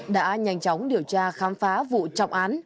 đã nhanh chóng điều tra khám phá vụ trọng án